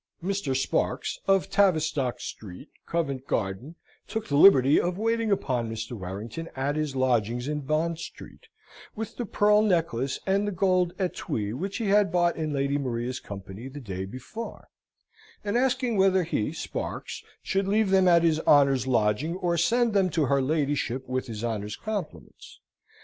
Mr. Sparks, of Tavistock Street, Covent Garden, took the liberty of waiting upon Mr. Warrington at his lodgings in Bond Street, with the pearl necklace and the gold etwee which he had bought in Lady Maria's company the day before; and asking whether he, Sparks, should leave them at his honour's lodging, or send them to her ladyship with his honour's compliments?